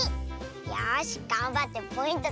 よしがんばってポイント